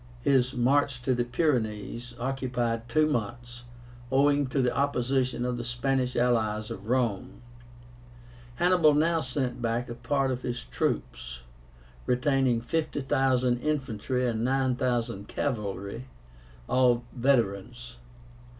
His march to the Pyrenees occupied two months, owing to the opposition of the Spanish allies of Rome. Hannibal now sent back a part of his troops, retaining 50,000 infantry and 9,000 cavalry, all veterans.